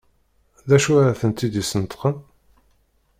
D acu ara tent-id-yesneṭqen?